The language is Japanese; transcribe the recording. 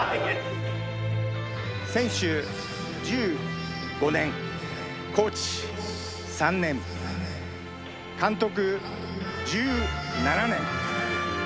選手１５年、コーチ３年、監督１７年。